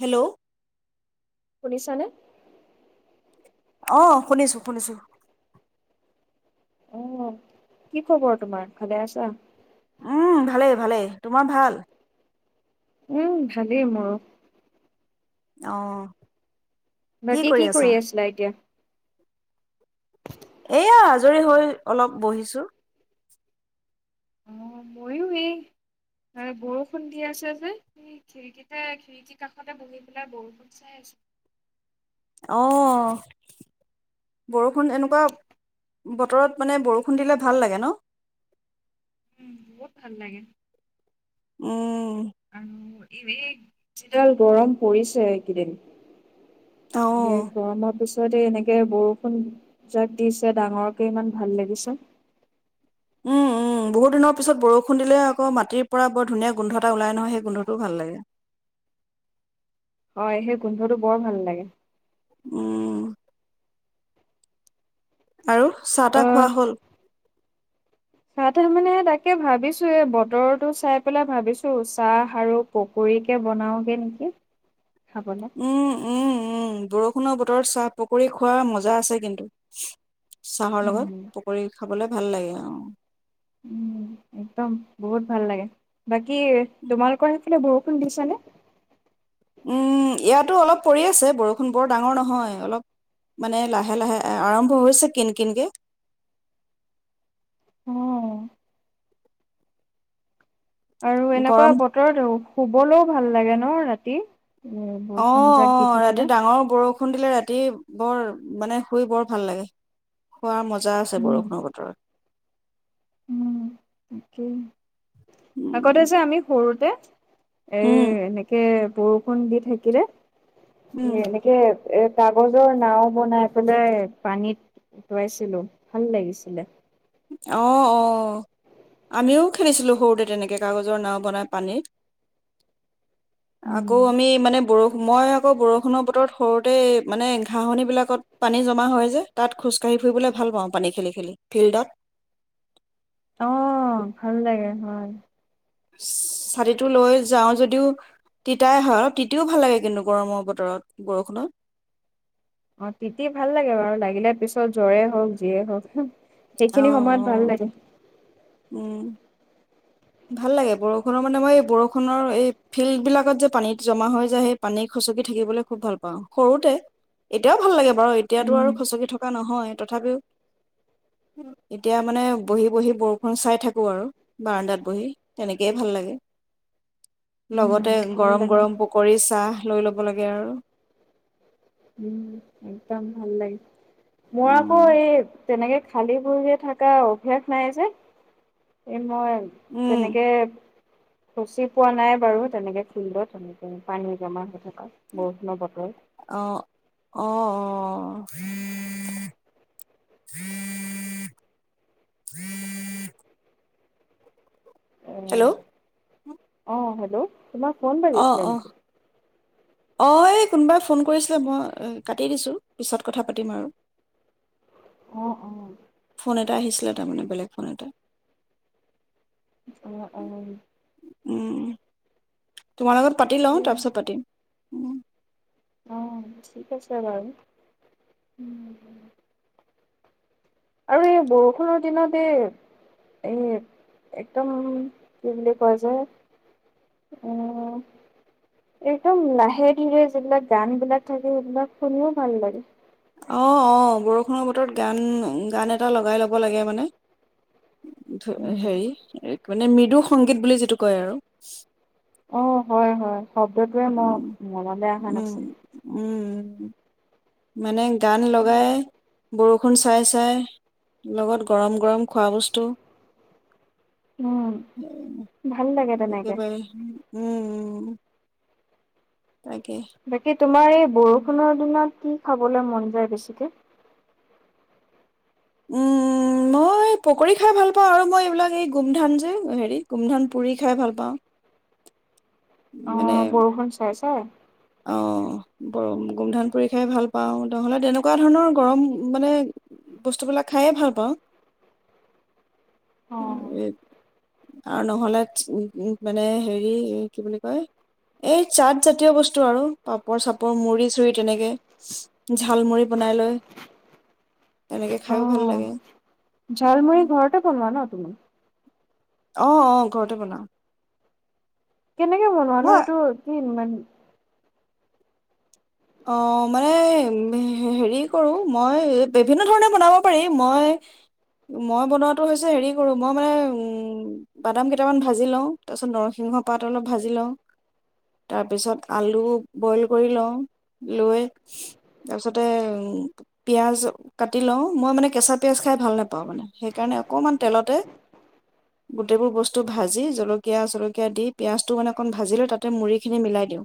Hello! শুনিছানে? অ শুনিছো শুনিছো অ' কি খবৰ তোমাৰ? ভালে আছা? উম ভালেই ভালেই,? তোমাৰ ভাল উম ভালেই ন! আহ কি বাকী কৰি আছা? আছিলা এতিয়া? এয়া আজৰি হৈ অলপ বহিছো। হয় বৰষুণ দি আছে যে তুম খিৰিকীতে খিৰিকী কাষতে বহি পেলাই বৰষুণ চাই আছো। অ বৰষুণ এনেকুৱা বতৰত মানে বৰষুণ দিলে ভাল লাগে ন। উম বহুত ভাল লাগে উম ই ডিজিডাল গৰম পৰিছে কেইদিন। দে অঁ গৰমৰ পিছত তাৰপিছতে এনেকে বৰষুণ যাক দিছে ডাঙৰকে ইমান ভাল লাগিছে। উম উম বহুত দিনৰ পিছত বৰষুণ দিলে আকৌ মাটিৰ পৰা বৰ ধুনীয়া গোন্ধ এটা ওলাই নহয় সেই গোন্ধটোও ভাল লাগে। হয় সেই গোন্ধটো বৰ ভাল লাগে। উম আৰু চাহ তাহ অহ, খোৱা হ'ল! চাহ ত মানে তাকে ভাবিছোঁ এই বতৰটো চাই পেলাই ভাবিছোঁ চাহ আৰু পকৰীকে বনাওগৈ নেকি, খাবলে। উম উম উম বৰষুণৰ বতৰত চাহ, পকৰি খোৱা মজা আছে কিন্তু। চাহৰ লগত উম পকৰি খাবলৈ। ভাল লাগে অ উম একদম বহুত ভাল লাগে বাকী। কি তোমালোকৰ এনে বৰষুণ দিছেনে? উম ইয়াতো অলপ পৰি আছে বৰষুন নহয় ডাঙৰ কৰে। উম আৰু এনেকুৱা গৰম বতৰতেও শুবলৈও ভাল লাগে ন ৰাতি। উ অ', বৰষুণ জাক দি অ', ৰাতি থাকিলে ডাঙৰ বৰষুণ দিলে ৰাতি বৰ মানে শুই বৰ ভাল লাগে খোৱাৰ মজা আছে উম বৰষুণৰ বতৰত কি? আগতে উম, যে আমি সৰুতে [unintelligible] এ উম, এনেকে বৰষুণ দি থাকিলে উম, এনেকে এ কাগজৰ নাও বনাই পেলাই পানীত উঠুৱাইছিলো। ভাল লাগিছিলে অ অ আমিও খেলিছিলোঁ সৰুতে তেনেকে কাগজৰ নাও বনাই পানীত উম আকৌ আমি মানে বৰষুণ মই আকৌ বৰষুণৰ বতৰত সৰু এ মানে ঘাঁহনি বিলাকত পানী জমা হয় যে তাত খোজকাঢ়ি ফুৰিবলৈ ভাল পাওঁ পানী খেলি খেলি ফিল্ডত অঁঃ ভাল লাগে হয় ছাতিটো লৈ যাওঁ যদিও তিতাই হয় তিতিও ভাল লাগে কিন্তু গৰমৰ বতৰত বৰষুণত অ তিতি ভাল লাগে বাৰু লাগিলে পিছত জ্বৰে হওক যিয়ে হওক অ অ সেইখিনি সময়ত ভাল লাগে উম ভাল লাগে বৰষুণৰ মানে মই এই বৰষুণৰ এই ফিল্ড বিলাকত যে পানীত জমা হৈ যে সেই পানী খুচকি থাকিবলৈ খুব ভাল পাওঁ সৰুতে এতিয়াও ভাল লাগে বাৰু এতিয়াতো আৰু উম খচকি থকা নহয় তথাপিও এতিয়া মানে বহি বহি বৰষুণ চাই থাকো আৰু বাৰান্দাত বহি তেনেকেইে ভাল লাগে উম লগতে ভাল গৰম লাগে গৰম পকৰী চাহ লৈ ল'ব লাগে আৰু উম একদম ভাল লাগে মই আকৌ উম এই তেনেকে খালী ভৰিৰে থাকা অভ্যাস নাই যে এই মই উম তেনেকে খচি পোৱা নাই বাৰু তেনেকে ফিল্ডত তেনেকে পানী জমা থাকে বৰষুণৰ বতৰ অঁ অঁ হেল্ল' অঁঃ হেল্ল' তোমাৰ ফোন অ বাজিছিলে অ নেকি? অ এই কোনোবাই ফোন কৰিছিলে মই কাটি দিছোঁ, পিছত কথা পাতিম আৰু। অঁ অঁ। ফোন এটা আহিছিলে, তাৰ মানে বেলেগ ফোন এটা। অঁ অঁ উম। তোমাৰ লগত পাতি লওঁ, তাৰ পিছত পাতিম। [inaudible] অঁ, ঠিক আছে বাৰু উম হুম। আৰু এই বৰষুণৰ দিনত এই এ - একদম কি বুলি কয় যে, উম একদম লাহে ধীৰে যিবিলাক গান বিলাক থাকে, সেইবিলাক শুনিও ভাল লাগে। অ অ বৰষুণৰ বতৰত, গান, '-গান এটা লগাই ল'ব লাগে মানে। ধ হি মানে মৃদু সংগীত বুলি যিটো কয় আৰু- অ', - হয়- হয় শব্দটোৱে, উম মই মনলৈ অহা উম নাছিল। উম মানে গান লগাই বৰষুণ চাই চাই লগত গৰম গৰম খোৱা বস্তু- উম ভাল লাগে তেনেকে একেবাৰে উম', -উ', তাকে বাকী তোমাৰ এই বৰষুণৰ দিনত কি খাবলৈ মন যায় বেছিকে? মই পকৰি খাই ভাল পাওঁ আৰু মই এইবিলাক এই গোমধান যে হেৰি গোমধান পুৰি খাই ভাল পাওঁ। মানে অ', বৰষুণ চাইছো। অ অ বৰ গোমধান পুৰি খাই ভাল পাওঁ নহ'লে তেনেকুৱা ধৰণৰ গৰম মানে বস্তুবিলাক খায়েই ভাল পাওঁ। অঁ। উ', এইট, - আৰু নহ'লে উ মানে হেৰি কি বুলি কয় এই চাট জাতীয় বস্তু- আৰু পাপৰ- চাপৰ, মুৰি- চুৰি তেনেকে ঝালমুৰি বনাই লৈ, তেনেকে অ খাইও ভাল লাগে ঝালমুৰি ঘৰতে বনোৱা ন। কোন ন? আহ আহ ঘৰতে বনাও। কেনেকে বনোৱা নো ', সেইটো কি ইমান উম অ মানে হে হেৰি কৰোঁ মই বিভিন্ন ধৰণে বনাব পাৰি মই, মই বনোৱাটো হৈছে হেৰি কৰোঁ মই মানে বাদাম কেইটামান ভাজি লওঁ, তাৰপিছত নৰসিংহ পাত অলপ ভাজি লওঁ, তাৰপিছত আলু বইল কৰি লওঁ। লৈ তাৰপিছতে পিয়াজ কাটি লওঁ, মই মানে কেঁচা পিয়াজ খাই ভাল নেপাওঁ মানে, সেইকাৰণে অকণমান তেলতে গোটেইবোৰ বস্তু ভাজি জলকীয়া চলকীয়া দি পিয়াঁজটো মানে অকণ ভাজি লৈ তাতে মুড়ি খিনি মিলাই দিওঁ।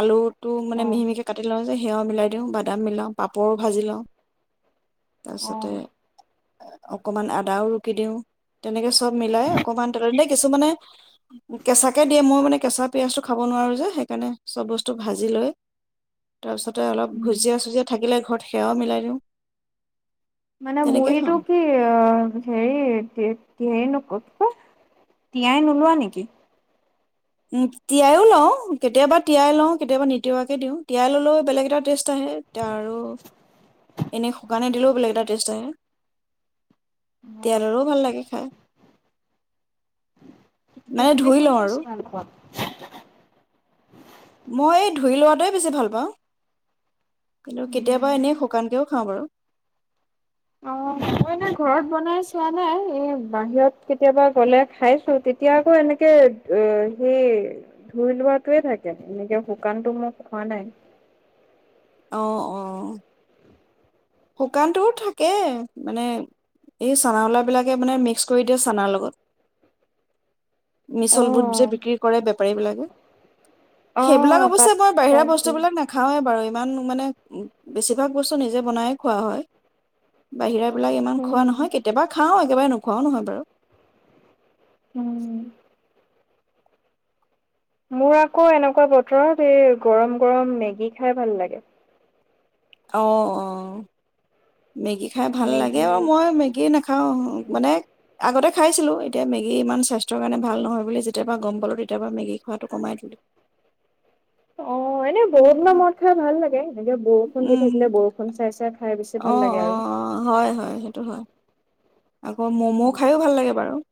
আলুটো মানে অ' মিহি মিহি- কাটি লওঁ যে সেয়াও মিলাই দিওঁ। বাদাম মিলাওঁ, পাপৰো ভাজি লওঁ, তাৰপিছতে অ'। অকমান আদাও ৰুকি দিওঁ তেনেকে চব মিলাই অকমান তেল দি, কিছুমানে কেঁচাকে দিয়ে মই মানে কেঁচা পিয়াজটো খাব নোৱাৰো যে সেইকাৰণে চব বস্তু ভাজি লৈ- তাৰপিছতে অলপ উম, ভুজীয়া চুজিয়া থাকিলে- ঘৰত সেৱাও মিলাই দিওঁ। মানে তেনেকে মুৰিটো খাওঁ কি অ', - হেৰি কি -হেৰি নক- তিয়াই নোলোৱা নেকি? উ তিয়াইও লওঁ, কেতিয়াবা তিয়াই লওঁ, কেতিয়াবা নিতিওৱাকে দিওঁ। তিয়াই ল'লেও বেলেগ এটা টেষ্ট। আহে আৰু এনে শুকানে দিলেও- [unintelligible] অ' তেলৰো ভাল লাগে খাই মানে তুমি ধুই লওঁ কোনটো বেছি আৰু। [inaudible] মই এই ধুই লোৱাটোৱে বেছি ভাল পাওঁ। কিন্তু কেতিয়াবা এনে শুকানকেও খাওঁ বাৰু। অ, ' মই, এনে ঘৰত বনাই চোৱা নাই এই বাহিৰত কেতিয়াবা গলে খাইছো। তেতিয়া আকৌ এনেকে এ', সেই ধুই লোৱাটোৱে থাকে, এনেকে শুকানটো মই খোৱা নাই। অহ', - অ', শুকানটোও থাকে, মানে এই চানাউলাবিলাকে মানে মিক্স কৰি দিয়ে চানাৰ লগত। মিছল-বুট যে অ' বিক্ৰী কৰে বেপাৰী বিলাকে সেইবিলাক অ' অৱশ্যে তাত মই বাহিৰা তাত বস্তু দি বিলাক নাখাওৱে বাৰু এ', ইমাননো মানে বেছিভাগ বস্তু নিজে বনায়ে, - খোৱা হয় বাহিৰাত, এই -বিলাক ইমান খোৱা উম। নহয় কেতিয়াবা খাওঁ। একেবাৰে নোখোৱাও নহয় বাৰু, উম', মোৰ আকৌ এনেকুৱা বতৰত এই গৰম- গৰম মেগী খাই ভাল লাগে। অহ', -অ', মেগী খাই ভাল লাগে, মেগী আও মই মেগী নাখাওঁ মানে আগতে, - খাইছিলোঁ এতিয়া মেগী ইমান স্বাস্থ্যৰ কাৰণে ভাল নহয় বুলি যেতিয়াৰ পৰা গম পালোঁ, তেতিয়াৰ পৰা মেগী খোৱাটো কমাই দলোঁ। অ', এনে বহুত দিনৰ মূৰত খাই ভাল লাগে, এনেকে বৰষুণ দি উম, থাকিলে বৰষুণ চাই চাই খাই বেছি অ', ভাল লাগে আৰু অ', হয়, হয়, সেইটো হয়, আকৌ ম'ম' খায়ো ভাল লাগে বাৰু [inaudible]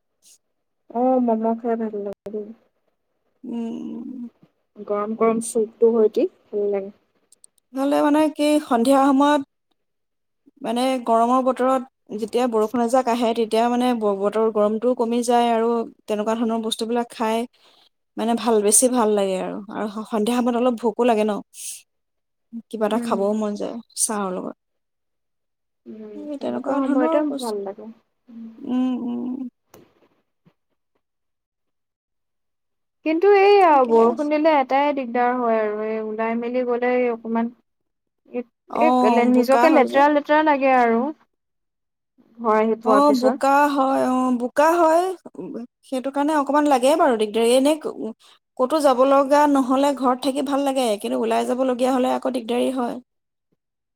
অ ম'ম' খাই ভাল লাগে দে উম! উ! উ! গৰম গৰম চুপটো হয় কি ভাল লাগে। নহলে মানে কি সন্ধিয়া সময়ত। মানে, গৰমৰ বতৰত। যেতিয়া, বৰষুণ এযাক আহে তেতি এতিয়া মানে, বতৰ গৰমটোও কমি যায় আৰু তেনেকুৱা ধৰণৰ, বস্তুবিলাক খায়, মানে ভাল, বেছি ভাল লাগে আৰু সন্ধিয়া সময়ত অলপ ভোকো লাগে ন'। কিবা এটা উম, খাবও মন যায়। চাহৰ লগত। উম এই তেনেকুৱা ধৰণৰ সময়তে বস্তু ভাল লাগে উ। উম, উম, কিন্তু এইয়া ঠিকে আছে, বৰষুণ দিলে এটাই দি দিগদাৰ হয় আৰু এই ওলাই মেলি গ'লেই অকমান অ', [unintelligible] বোকা নিজকে হয় যে। লেতেৰা লেতেৰা লাগ সেয়ে আৰু ঘৰ আহি অ পোৱাৰ পিছত। বোকা হয় অ বোকা হয়। সেইটো কাৰণে অকমান লাগে বাৰু দিগদাৰী এনে ক'তো যাব লগা নহলে ঘৰত থাকি ভাল লাগে কিন্তু ওলাই যাব লগীয়া হলে আকৌ দিগদাৰী হয়।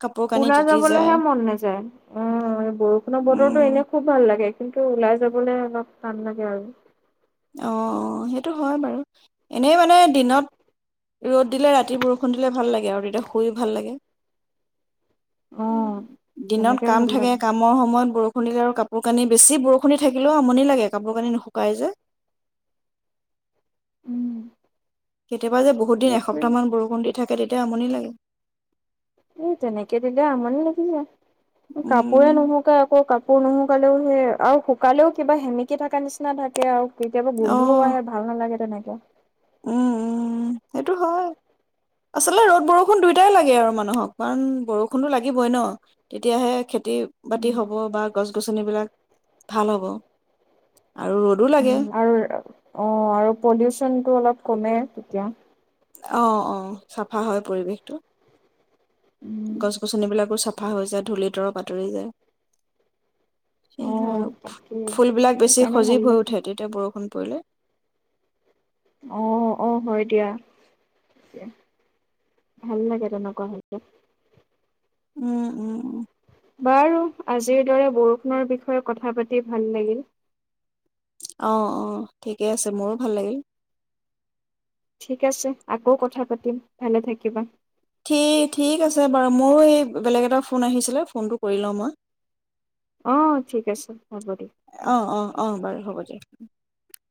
কাপোৰ কানি ওলাই তিতি যায় যাবলৈহে মন নাযায় অ এই বৰষুণ বতৰত। বতৰটো উম এনে খুব ভাল লাগে। লাগে কিন্তু ওলাই যাবলৈ অলপ টান লাগে আৰু অঁ সেইটো হয় বাৰু এনেই মানে দিনত ৰ'দ দিলে ৰাতি বৰষুণ দিলে ভাল লাগে আৰু তেতিয়া শুই ভাল লাগে অ', দিনত তেনেকে কাম ভাল থাকে লাগে। কামৰ সময়ত বৰষুণ হলেও আৰু কাপোৰ কানি বেছি বৰষুণি থাকিলেও আমনি লাগে কাপোৰ কানি নুশুকাই যে উম, কেতিয়াবা যে বহুত দিন সেইটোৱে। এসপ্তাহমান বৰষুণ দিয়ে থাকে তেতিয়া আমনি লাগে এই তেনেকে দিলে আমনি লাগি যাই উম কাপোৰে নুশুকাই আকৌ কাপ কাপুৰ নুশুকালেও সেই আৰু শুকালেও কিবা সেমেকি থকা নিচিনা থাকে আৰু কেতিয়াবা গোন্ধও অ আহে ভাল নালাগে তেনেকে [inaudible] উম উম সেইটো হয় আচলতে ৰ'দ বৰষুণ দুয়টাই লাগে আৰু মানুহক কাৰণ বৰষুণতো লাগিবই ন তেতিয়াহে খে খেতি -বাতি হ'ব বা গছ -গছনিবিলাক ভাল হ'ব আৰু ৰ'দো লাগে উম, আৰু অ', আৰু পলিউচনটো অলপ কমে তেতিয়া অঁ অ' চাফা হয় পৰিৱেশটো উম। গছ গছনি বিলাকো চফা চাফা হৈ যায় ধূলি তৰপ আঁতৰি যায় সে অ', আৰু তাকেই। ফুল বিলাক সেইটো বেছি কাৰণে সজীৱ ভাল হৈ লাগে। উঠে তেতিয়া বৰষুণ [unintelligible] অঁ অঁ হয় দিয়া ভাল লাগে তেনেকুৱা হ'লে উম উম উম বাৰু আজিৰ দৰে বৰষুণৰ বিষয়ে কথা পাতি ভাল লাগিল অঁ অঁ ঠিকে আছে মোৰো ভাল লাগিল ঠিক আছে আকৌ কথা পাতিম ভালে থাকিবা ঠি ঠিক আছে বাৰু মোৰো এই বেলেগ এটা ফোন আহিছিলে ফোনটো কৰি লওঁ মই অঁ ঠিক আছে হ'ব দিয়ক অ অ অ [inaudible]